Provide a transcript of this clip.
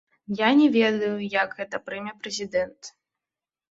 Я не ведаю, як гэта прыме прэзідэнт.